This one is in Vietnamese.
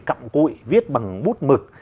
cặm cụi viết bằng bút mực